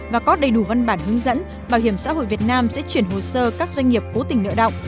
và có đầy đủ văn bản hướng dẫn bảo hiểm xã hội việt nam sẽ chuyển hồ sơ các doanh nghiệp cố tình nợ động